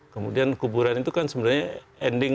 kemudian kuburan itu kan sebenarnya ending